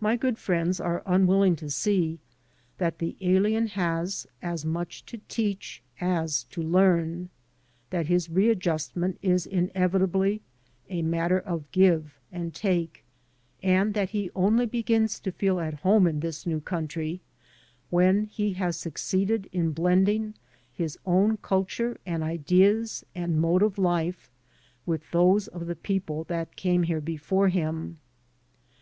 My good friends are unwilling to see that the alien has as much to teach as to learn, that his readjustment is inevitably a matter of give and take, and that he only begins to feel at home in this new country when he has succeeded in blending his own culture and ideas and mode of life with those of the people that came here before him.